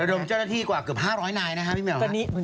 ดมเจ้าหน้าที่กว่าเกือบ๕๐๐นายนะครับพี่แมว